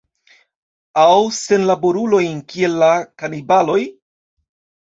Aŭ senlaborulojn, kiel la kanibaloj?